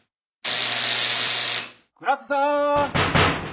・倉田さん！